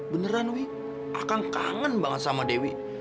beneran wi akan kangen banget sama dewi